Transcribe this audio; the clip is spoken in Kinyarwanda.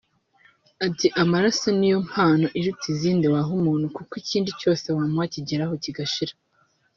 Ati “Amaraso ni yo mpano iruta izindi waha umuntu kuko ikindi cyose wamuha kigeraho kigashira